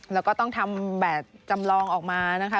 แล้วก็ต้องทำแบบจำลองออกมานะคะ